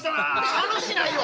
楽しないわ！